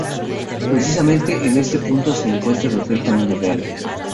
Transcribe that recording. Precisamente en ese punto se encuentra el Hotel Camino Real.